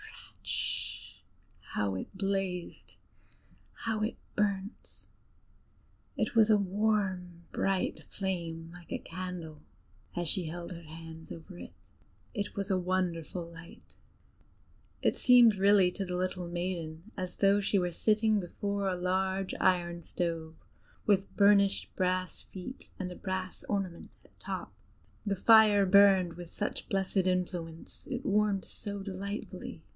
"Rischt!" how it blazed, how it burnt! It was a warm, bright flame, like a candle, as she held her hands over it: it was a wonderful light. It seemed really to the little maiden as though she were sitting before a large iron stove, with burnished brass feet and a brass ornament at top. The fire burned with such blessed influence; it warmed so delightfully.